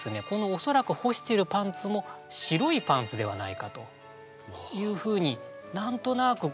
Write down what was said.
おそらく干しているパンツも白いパンツではないかというふうに何となくこう。